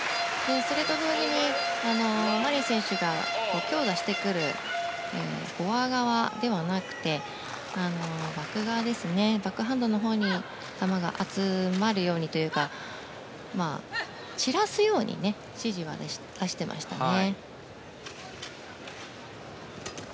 それと同時にマリン選手が強打してくるフォア側ではなくてバック側、バックハンドのほうに球が集まるようにというか散らすように指示は出してましたね。